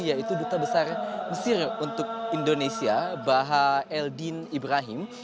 yaitu duta besar mesir untuk indonesia baha eldin ibrahim